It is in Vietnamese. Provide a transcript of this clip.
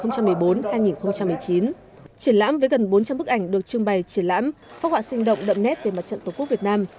triển lãm với gần bốn trăm linh bức ảnh được trưng bày triển lãm phát họa sinh động đậm nét về mặt trận tổ quốc việt nam